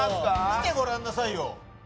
見てごらんなさいよ